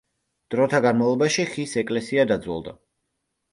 დროთა განმავლობაში ხის ეკლესია დაძველდა.